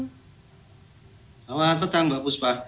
selamat petang mbak buspa